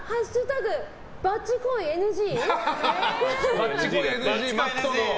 「＃バッチコイＮＧ」！